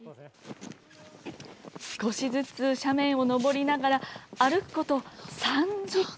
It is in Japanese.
少しずつ斜面を登りながら、歩くこと３時間。